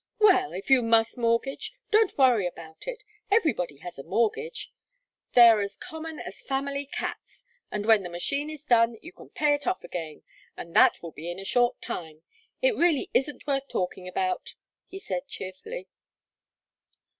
"Well, if you must mortgage, don't worry about it. Everybody has a mortgage they are as common as family cats. And when the machine is done you can pay it off again, and that will be in a short time. It really isn't worth talking about," he said, cheerfully.